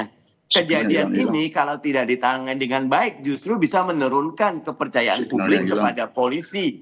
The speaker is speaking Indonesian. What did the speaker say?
nah kejadian ini kalau tidak ditangani dengan baik justru bisa menurunkan kepercayaan publik kepada polisi